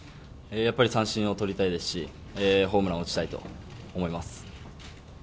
やはり三振を取りたいですし、ホームランを打ちたいと思います。